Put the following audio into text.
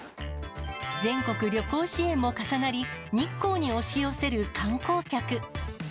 全国旅行支援も重なり、日光に押し寄せる観光客。